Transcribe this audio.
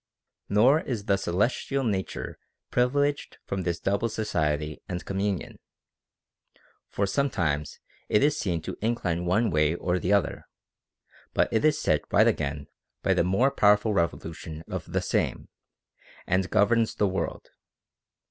28. Nor is the celestial nature privileged from this double society and communion. For sometimes it is seen to incline one way or the other, but it is set right again by the more powerful revolution of the Same, and governs OF THE PROCREATION OF THE SOUL. 359 the world.